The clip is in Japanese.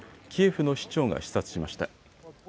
キエフの市長が視察しました。